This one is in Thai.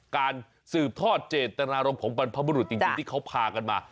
การสืบทอดเจตนารมณ์ของบรรพบุรุษจริงที่เขาพากันมา